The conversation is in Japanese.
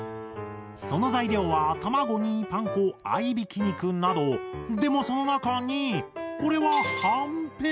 その材料は卵にパン粉合いびき肉などでもその中にこれはハンペン？